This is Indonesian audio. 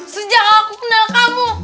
sejak aku kenal kamu